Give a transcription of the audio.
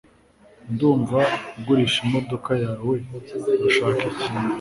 Ndumva ugurisha imodoka yawe Urashaka iki?